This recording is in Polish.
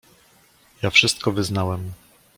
"Ja wszystko wyznałem."